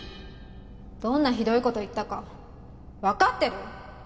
どんなひどい事言ったかわかってる？